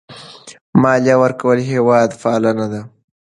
مالیه ورکول هېوادپالنه ده.